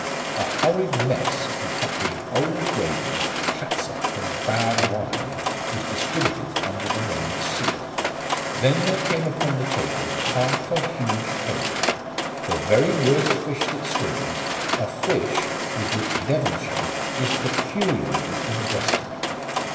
A horrid mess concocted of old gravy, catsup, and bad wine was distributed under the name of soup. Then there came upon the table half a huge hake, the very worst fish that swims, a fish with which Devonshire is peculiarly invested.